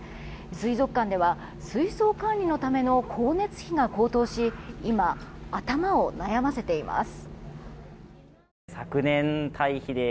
水族館では水槽管理のための光熱費が高騰し今、頭を悩ませています。